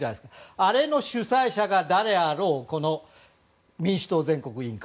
あれの主催者がこの民主党全国委員会。